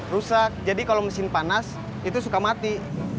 rusak jadi kalau mesin panas itu suka mati